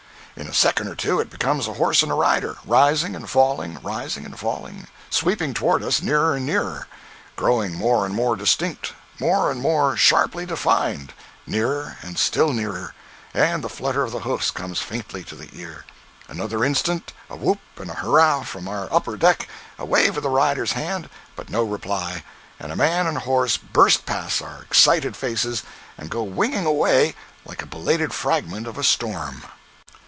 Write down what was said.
In a second or two it becomes a horse and rider, rising and falling, rising and falling—sweeping toward us nearer and nearer—growing more and more distinct, more and more sharply defined—nearer and still nearer, and the flutter of the hoofs comes faintly to the ear—another instant a whoop and a hurrah from our upper deck, a wave of the rider's hand, but no reply, and man and horse burst past our excited faces, and go winging away like a belated fragment of a storm!